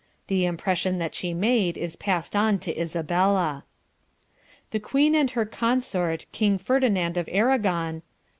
The impression that she made is passed on to Isabella. "The Queen and her consort, King Ferdinand of Aragon..."